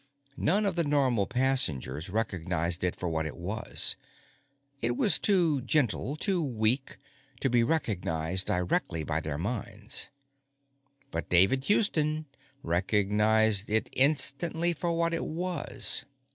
None of the Normal passengers recognized it for what it was; it was too gentle, too weak, to be recognized directly by their minds. But David Houston recognized it instantly for what it was.